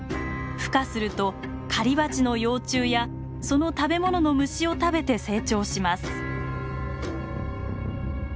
ふ化すると狩りバチの幼虫やその食べ物の虫を食べて成長します。